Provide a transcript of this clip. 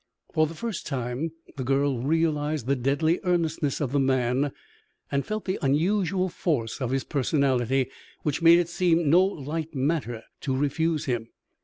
For the first time the girl realized the deadly earnestness of the man and felt the unusual force of his personality, which made it seem no light matter to refuse him.